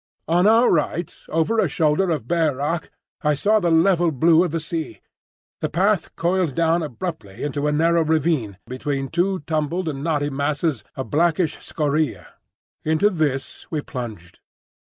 On our right, over a shoulder of bare rock, I saw the level blue of the sea. The path coiled down abruptly into a narrow ravine between two tumbled and knotty masses of blackish scoriae. Into this we plunged.